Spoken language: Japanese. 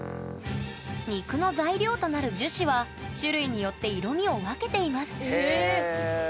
肉の材料となる樹脂は種類によって色みを分けていますえ！